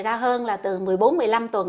ra hơn là từ một mươi bốn một mươi năm tuần